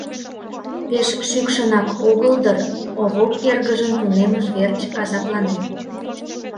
Пеш шӱкшынак огыл дыр, — Овоп эргыжын тунеммыж верч азапланен.